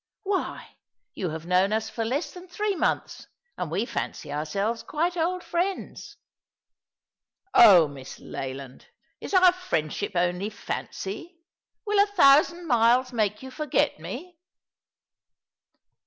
Why, you have known us for less than three months, and we fancy ourselves quite old friends." "Oh, Miss Leland, is our friendship only fancy? Will a thousand miles make you forget me